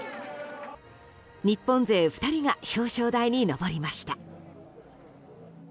日本勢２人が表彰台に上りました。